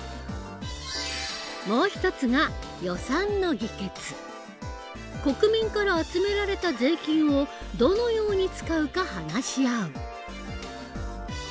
もう一つが国民から集められた税金をどのように使うか話し合う。